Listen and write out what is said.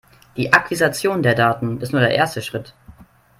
Die Akquisition der Daten ist nur der erste Schritt.